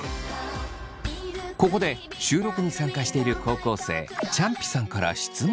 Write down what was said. ここで収録に参加している高校生ちゃんぴさんから質問が。